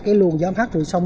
cái luồng gió mát từ sông